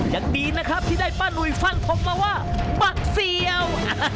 ยังดีนะครับที่ได้ป้านุยฟันผมมาว่าบักเสี่ยว